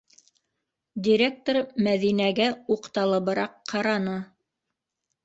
- Директор Мәҙинәгә уҡталыбыраҡ ҡараны.